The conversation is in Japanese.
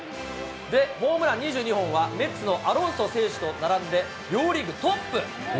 ホームラン２２本は、メッツのアロンソ選手と並んで両リーグトップ。